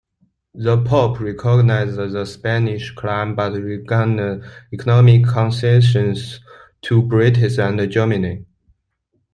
The Pope recognized the Spanish claim, but granted economic concessions to Britain and Germany.